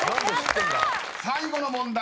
［最後の問題